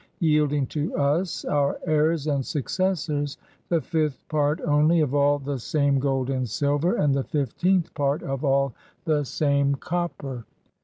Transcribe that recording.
yielding to us, our heirs and successors, the fifth part only of all the same gold and silver, and the fifteenth part of all the same copper."